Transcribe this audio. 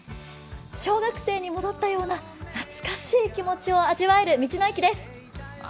小学生に戻ったような懐かしい気持ちを味わえる道の駅です。